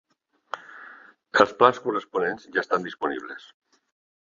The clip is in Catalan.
Els plans corresponents ja estan disponibles.